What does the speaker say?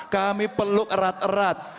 kami peluk erat erat